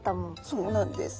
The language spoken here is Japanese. そうなんです。